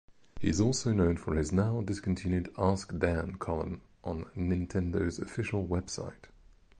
He is also known for his now-discontinued "Ask Dan" column on Nintendo's official website.